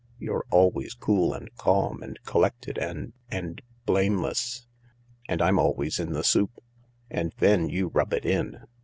You're always cool and calm and collected and — and — blameless. And I'm always in the soup. And then you rub it in."